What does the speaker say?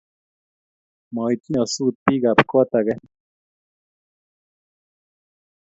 Mo itchi nyasut biik ab kot agenge